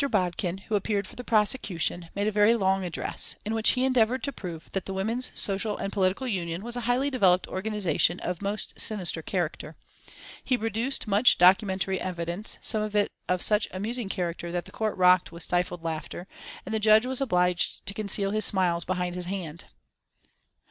Bodkin, who appeared for the prosecution, made a very long address, in which he endeavoured to prove that the Women's Social and Political Union was a highly developed organisation of most sinister character. He produced much documentary evidence, some of it of such amusing character that the court rocked with stifled laughter, and the judge was obliged to conceal his smiles behind his hand.